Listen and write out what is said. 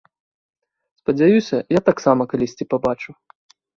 Спадзяюся, я таксама калісьці пабачу.